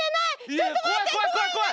ちょっと待って怖い！